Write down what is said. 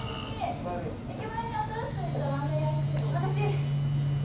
お帰り駅前に新しくできたラーメン屋行くけど私！